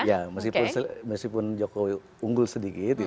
ya meskipun jokowi unggul sedikit